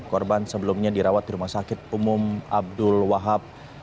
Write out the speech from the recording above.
korban sebelumnya dirawat di rumah sakit umum abdul wahab